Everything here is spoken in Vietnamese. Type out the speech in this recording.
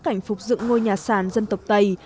cảnh phục dựng ngôi nhà sản dân tộc tây